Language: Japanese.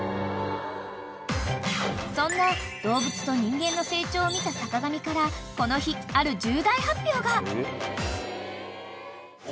［そんな動物と人間の成長を見た坂上からこの日ある重大発表が］